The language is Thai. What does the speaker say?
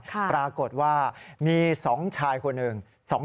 ปรากฏว่ามี๒ชายคนหนึ่ง